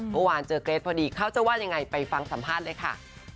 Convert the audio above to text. เมื่อวานเจอเกรทพอดีเขาจะว่ายังไงไปฟังสัมภาษณ์เลยค่ะ